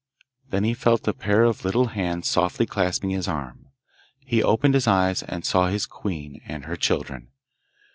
Then he felt a pair of little hands softly clasping his arm; he opened his eyes, and saw his queen and her children.